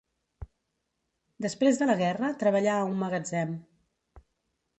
Després de la guerra treballà a un magatzem.